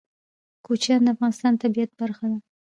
کوچیان د افغانستان د طبیعت برخه ده.